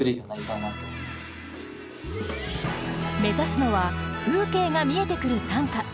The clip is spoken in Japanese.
目指すのは風景が見えてくる短歌。